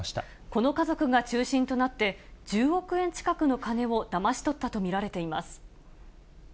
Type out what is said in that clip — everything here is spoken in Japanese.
この家族が中心となって、１０億円近くの金をだまし取ったと見られています。